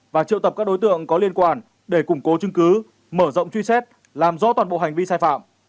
và triệu tập các đối tượng có liên quan để củng cố chứng cứ mở rộng truy xét làm rõ toàn bộ hành vi sai phạm